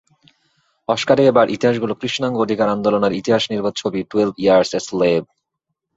অস্কারে এবার ইতিহাস গড়ল কৃষ্ণাঙ্গ অধিকার আন্দোলনের ইতিহাসনির্ভর ছবি টুয়েলভ ইয়ারস অ্যা স্লেভ।